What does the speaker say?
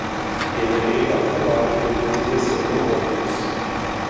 Eu olhei para o relógio depois de descer do ônibus.